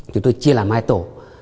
chúng tôi chia làm hai tổ